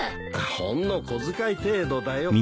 ほんの小遣い程度だよ。